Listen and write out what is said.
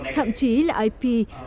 thậm chí là ip